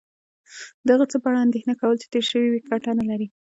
د هغه څه په اړه اندېښنه کول چې تیر شوي وي کټه نه لرې